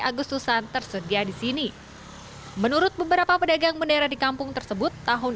agustusan tersedia di sini menurut beberapa pedagang bendera di kampung tersebut tahun